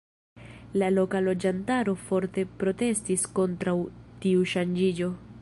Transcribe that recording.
La loka loĝantaro forte protestis kontraŭ tiu ŝanĝiĝo.